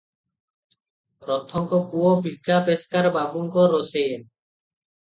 ରଥଙ୍କ ପୁଅ ଭିକା ପେସ୍କାର ବାବୁଙ୍କ ରୋଷେଇଆ ।